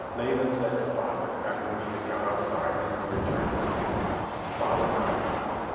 Laban said to father, after we had got outside and were returning to camp. Father nodded.